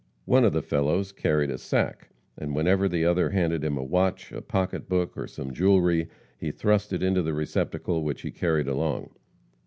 One of the fellows carried a sack, and whenever the other handed him a watch, a pocketbook or some jewelry, he thrust it into the receptacle which he carried along.